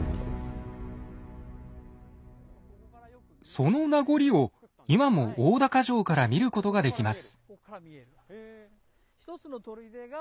その名残を今も大高城から見ることができます。